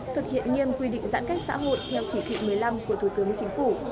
thực hiện nghiêm quy định giãn cách xã hội theo chỉ thị một mươi năm của thủ tướng chính phủ